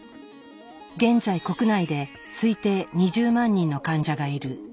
現在国内で推定２０万人の患者がいる。